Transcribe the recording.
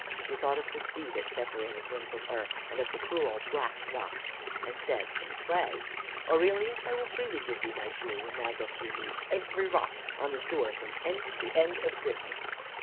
She thought of the sea that separated him from her, and of the cruel black rocks, and said in play: "Aurelius, I will freely give thee my jewel when thou dost remove every rock on the shore from end to end of Brittany."